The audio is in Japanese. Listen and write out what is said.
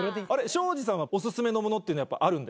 庄司さんはオススメのものっていうのあるんですか？